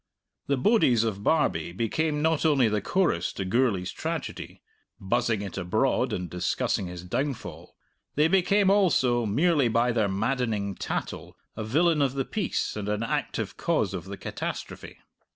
The bodies of Barbie became not only the chorus to Gourlay's tragedy, buzzing it abroad and discussing his downfall; they became also, merely by their maddening tattle, a villain of the piece and an active cause of the catastrophe.